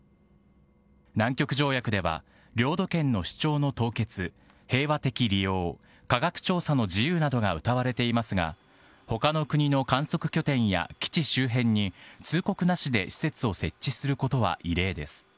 南極条約では領土権の主張の凍結平和的利用科学調査の自由などがうたわれていますが他の国の観測拠点や基地周辺に通告なしで施設を設置することは異例です。